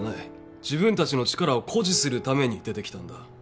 自分たちの力を誇示するために出てきたんだ。